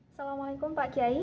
assalamualaikum pak kiai